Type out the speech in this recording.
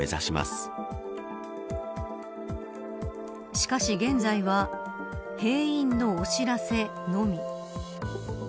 しかし、現在は閉院のお知らせのみ。